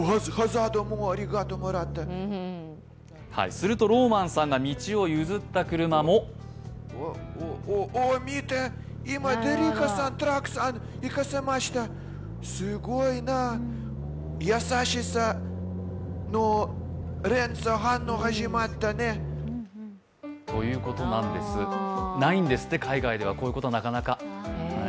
するとローマンさんが道を譲った車もないんですって、海外ではこういうことがなかなか。